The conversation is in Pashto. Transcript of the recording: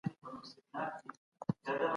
خو بیا هم خلکو په جوماتونو کي زده کړي کولي.